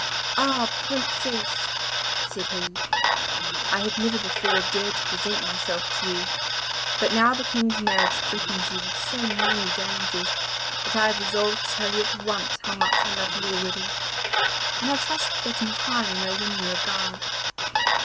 'Ah, Princess!' said he, 'I have never before dared to present myself to you, but now the King's marriage threatens you with so many dangers that I have resolved to tell you at once how much I love you already, and I trust that in time I may win your regard.